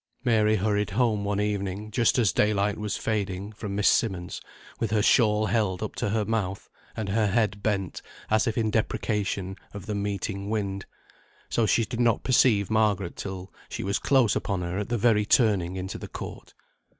Mary hurried home one evening, just as daylight was fading, from Miss Simmonds', with her shawl held up to her mouth, and her head bent as if in deprecation of the meeting wind. So she did not perceive Margaret till, she was close upon her at the very turning into the court.